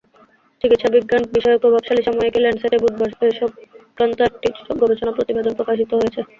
চিকিৎসাবিজ্ঞান-বিষয়ক প্রভাবশালী সাময়িকী ল্যানসেট-এ বুধবার এ-সংক্রান্ত একটি গবেষণা প্রতিবেদন প্রকাশিত হয়েছে।